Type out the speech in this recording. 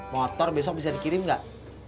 motor besok bisa dikirim nggak